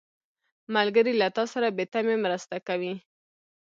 ملګری له تا سره بې تمې مرسته کوي